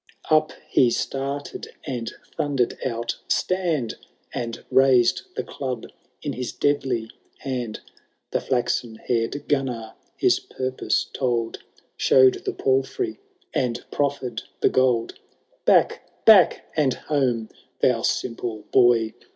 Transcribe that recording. XVII. Up he started, and thunderM out, ^ Stand I And raised the club in his deadly hand. The flaxen hair^ Gunnar his purpose told, Show'd the palfrey and proffered the gold. Back, back, and home, thou simple boy